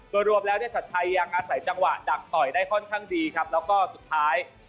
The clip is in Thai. โดยรวมแล้วเนี่ยชัดชัยยังอาศัยจังหวะดักต่อยได้ค่อนข้างดีครับแล้วก็สุดท้าย